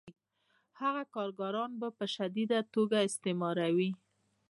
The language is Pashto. هغه کارګران په شدیده توګه استثماروي